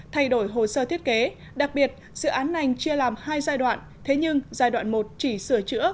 thay đổi hồ sơ thiết kế đặc biệt dự án này chia làm hai giai đoạn thế nhưng giai đoạn một chỉ sửa chữa